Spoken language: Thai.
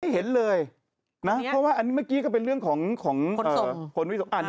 ไม่เห็นเลยนะเพราะว่าเมื่อกี้ก็เป็นเรื่องของคนวิทยุ